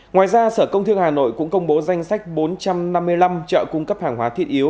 ngoài ra sở công thương hà nội cũng công bố danh sách bốn trăm năm mươi năm chợ cung cấp hàng hóa thiết yếu